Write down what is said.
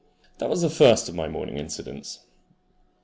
That was the first of my morning incidents.